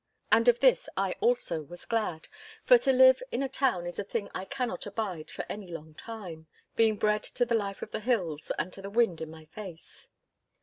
And of this I also was glad, for to live in a town is a thing I cannot abide for any long time, being bred to the life of the hills and to the wind in my face.